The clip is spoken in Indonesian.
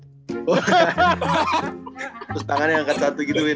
terus tangannya angkat satu gitu win